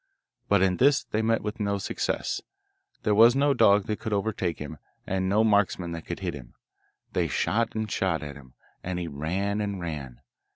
But in this they met with no success; there was no dog that could overtake him, and no marksman that could hit him. They shot and shot at him, and he ran and ran.